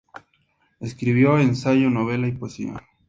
Escribió ensayo, novela y poesía.